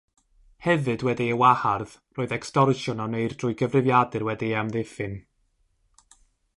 Hefyd wedi ei wahardd roedd ecstorsiwn a wneir drwy gyfrifiadur wedi ei amddiffyn.